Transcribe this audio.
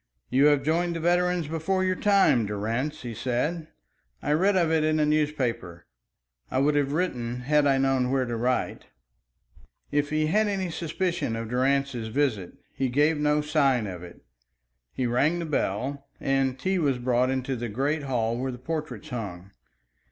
"You have joined the veterans before your time, Durrance," he said. "I read of it in a newspaper. I would have written had I known where to write." If he had any suspicion of Durrance's visit, he gave no sign of it. He rang the bell, and tea was brought into the great hall where the portraits hung.